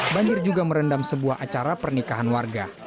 banjir juga merendam sebuah acara pernikahan warga